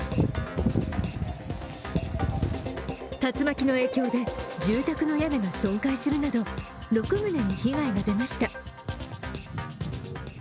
竜巻の影響で住宅の屋根が損壊するなど６棟に被害が出ました。